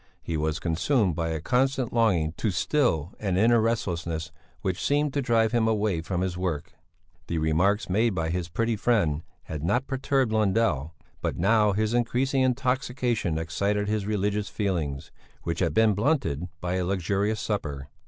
He was consumed by a constant longing to still an inner restlessness which seemed to drive him away from his work. The remarks made by his pretty friend had not perturbed Lundell; but now his increasing intoxication excited his religious feelings, which had been blunted by a luxurious supper.